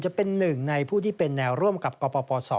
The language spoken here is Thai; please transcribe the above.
จะเป็นหนึ่งในผู้ที่เป็นแนวร่วมกับกปศ